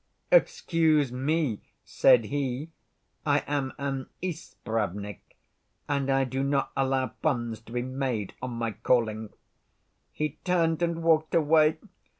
'Excuse me,' said he, 'I am an Ispravnik, and I do not allow puns to be made on my calling.' He turned and walked away.